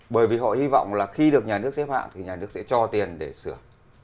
bởi vì họ hy vọng là khi được nhà nước xếp hạng thì nhà nước sẽ cho tiền để sửa